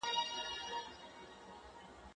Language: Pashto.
هغه وويل چي پلان جوړول مهم دي،